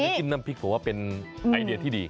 จิ้มน้ำพริกผมว่าเป็นไอเดียที่ดี